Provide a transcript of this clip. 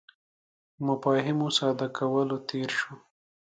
مفاهیمو ساده کولو تېر شو.